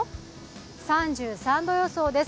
３３度予想です。